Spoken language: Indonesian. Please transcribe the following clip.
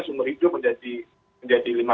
sumur hidup menjadi